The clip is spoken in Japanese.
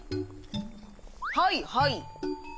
はいはい。